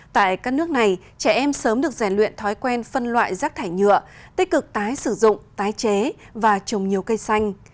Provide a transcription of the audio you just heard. tại các nước này trẻ em sớm được giải luyện thói quen phân loại rác thải nhựa tích cực tái sử dụng tái chế và trồng nhiều cây xanh